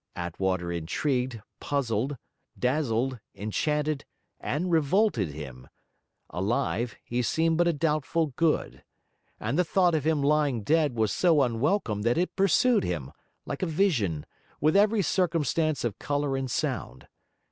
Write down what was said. Attwater intrigued, puzzled, dazzled, enchanted and revolted him; alive, he seemed but a doubtful good; and the thought of him lying dead was so unwelcome that it pursued him, like a vision, with every circumstance of colour and sound.